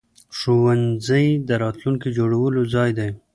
ښوونځی د راتلونکي جوړولو ځای دی.